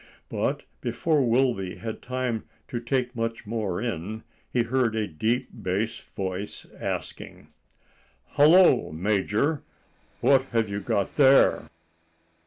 But before Wilby had time to take much more in, he heard a deep bass voice asking,— "Hallo, Major! what have you got there?"